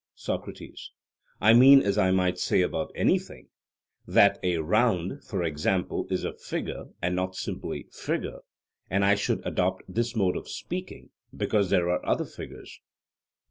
SOCRATES: I mean as I might say about anything; that a round, for example, is 'a figure' and not simply 'figure,' and I should adopt this mode of speaking, because there are other figures.